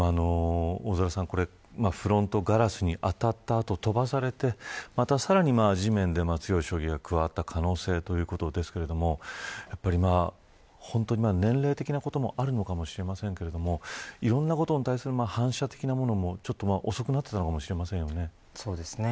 フロントガラスに当たった後飛ばされて、さらに地面で強い衝撃が加わった可能性ということですけど本当に年齢的なこともあるのかもしれませんがいろいろなことに対する反射的なものも遅くなっていたかもしれませんね。